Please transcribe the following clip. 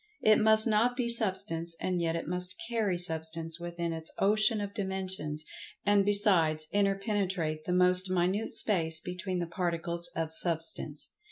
It must not be Substance, and yet it must carry Substance within its ocean of dimensions, and, besides, interpenetrate the most minute space between the particles of Substance.